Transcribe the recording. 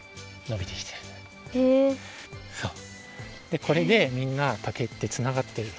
でこれでみんな竹ってつながってる。